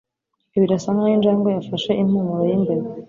Birasa nkaho injangwe yafashe impumuro yimbeba.